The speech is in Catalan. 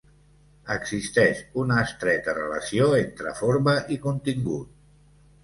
Existeix una estreta relació entre forma i contingut.